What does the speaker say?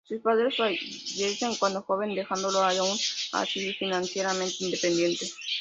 Sus padres fallecen cuándo joven, dejándolo, aun así, financieramente independiente.